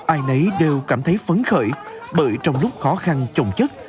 ai nấy đều cảm thấy phấn khởi bởi trong lúc khó khăn trồng chất